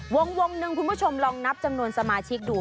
วงหนึ่งคุณผู้ชมลองนับจำนวนสมาชิกดู